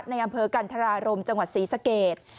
ในอำเภอกันธรารมจังหวัดศรีสเกต